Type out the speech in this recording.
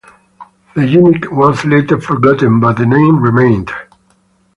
The gimmick was later forgotten, but the name remained.